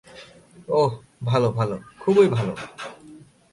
ওহ ভালো ভালো, খুবই ভালো।